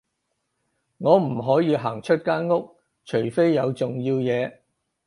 我唔可以行出間屋，除非有重要嘢